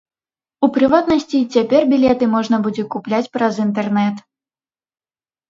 У прыватнасці, цяпер білеты можна будзе купляць праз інтэрнэт.